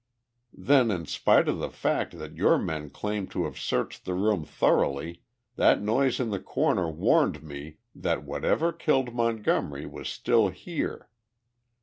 "Then, in spite of the fact that your men claimed to have searched the room thoroughly, that noise in the corner warned me that whatever killed Montgomery was still here.